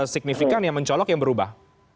signifikan yang mencolok yang berubah